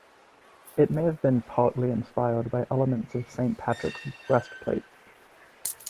It may have been partly inspired by elements of Saint Patrick's Breastplate.